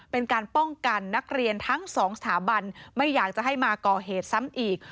เป็นการป้องกันนักเรียนทั้งสองสถาบันไม่อยากจะให้มาก่อเหตุซ้ำอีก